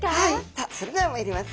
さあそれではまいります。